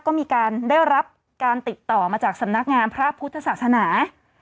ก็มีการได้รับการติดต่อมาจากสำนักงานพระพุทธศาสนา